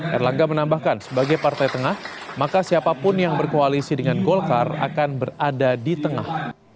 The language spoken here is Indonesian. erlangga menambahkan sebagai partai tengah maka siapapun yang berkoalisi dengan golkar akan berada di tengah